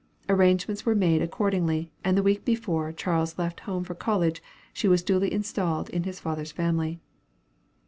Arrangements were made accordingly, and the week before Charles left home for college, she was duly installed in his father's family.